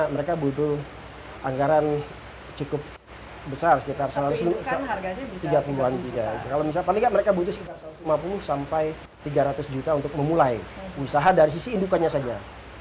mereka butuh anggaran cukup besar paling tidak mereka butuh sekitar satu ratus lima puluh sampai tiga ratus juta untuk memulai usaha dari sisi indukannya saja